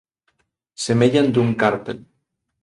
Semellan dun cártel.